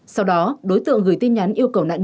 sau đó đối tượng gửi tin nhắn yêu cầu nạn nhân